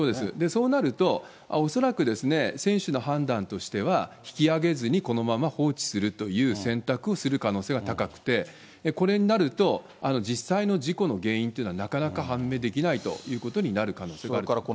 そうなると、恐らく、船主の判断としては、引き揚げずにこのまま放置するという選択をする可能性が高くて、これになると、実際の事故の原因というのは、なかなか判明できないということになる可能性があると思います。